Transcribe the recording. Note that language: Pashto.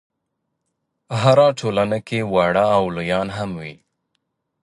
هره ټولنه کې واړه او لویان هم وي.